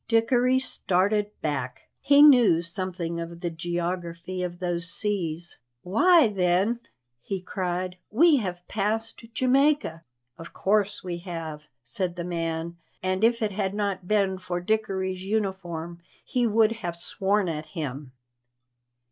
Dickory started back. He knew something of the geography of those seas. "Why, then," he cried, "we have passed Jamaica!" "Of course we have," said the man, and if it had not been for Dickory's uniform he would have sworn at him.